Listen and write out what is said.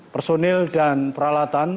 personil dan peralatan